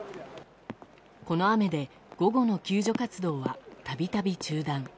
この雨で午後の救助活動は度々中断。